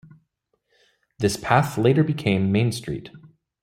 This path later became "Main Street".